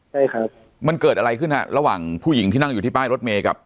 ใช่ครับมันเกิดอะไรขึ้นฮะระหว่างผู้หญิงที่นั่งอยู่ที่ป้ายรถเมย์กับ